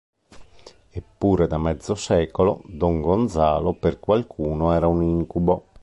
Eppure da mezzo secolo Don Gonzalo per qualcuno era un incubo.